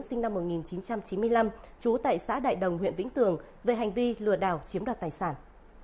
sinh năm một nghìn chín trăm chín mươi năm trú tại xã đại đồng huyện vĩnh tường về hành vi lừa đảo chiếm đoạt tài sản